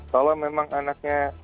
kalau memang anaknya